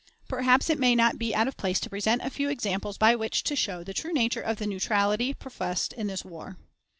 Perhaps it may not be out of place to present a few examples by which to show the true nature of the neutrality professed in this war.